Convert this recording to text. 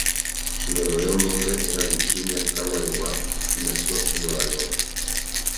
Su verdadero nombre era Virginia Caroline Rapp, y nació en Nueva York.